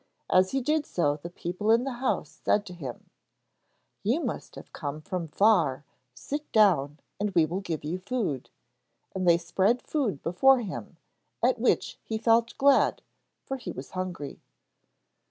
As he did so the people in the house said to him: 'You must have come from far; sit down, and we will give you food,' and they spread food before him, at which he felt glad, for he was hungry.